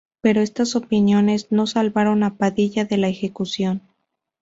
Pero estas opiniones no salvaron a Padilla de la ejecución.